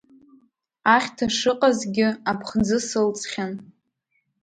Ахьҭа шыҟазгьы аԥхӡы сылҵхьан.